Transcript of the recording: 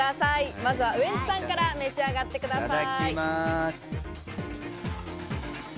まずはウエンツさんから召し上がってください。